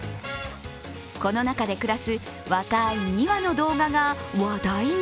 この中で暮らす若い２羽の動画が話題に。